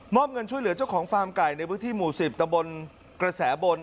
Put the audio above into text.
เงินช่วยเหลือเจ้าของฟาร์มไก่ในพื้นที่หมู่๑๐ตะบนกระแสบน